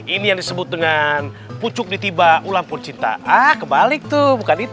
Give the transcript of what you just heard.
ini yang disebut dengan pucuk ditiba ulang pun cinta ah kebalik tuh bukan itu